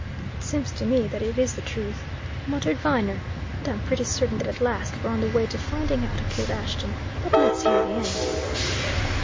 "It seems to me that it is the truth!" muttered Viner. "And I'm pretty certain that at last we're on the way to finding out who killed Ashton. But let's hear the end."